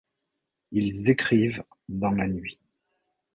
Ils écrivent ' dans la nuit.